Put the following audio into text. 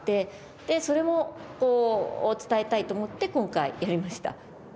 でそれも伝えたいと思って今回やりました。